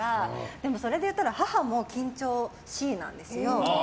でも、それで言ったら母も緊張しいなんですよ。